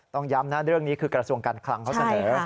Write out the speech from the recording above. ต้องย้ำนะเรื่องนี้คือกระทรวงการคลังเขาเสนอ